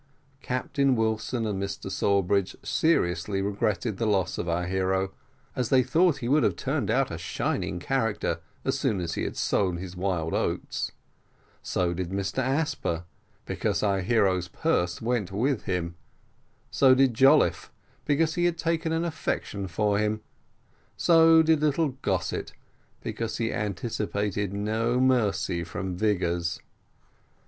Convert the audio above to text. Captain Wilson and Mr Sawbridge seriously regretted the loss of our hero, as they thought that he would have turned out a shining character as soon as he had sown his wild oats; so did Mr Asper, because our hero's purse went with him; so did Jolliffe, because he had taken an affection for him; so did little Gossett, because he anticipated no mercy from Vigors.